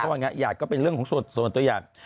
หยาดก็เป็นเรื่องของส่วนตัวหยาด